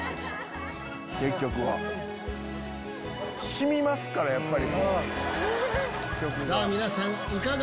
染みますからやっぱり。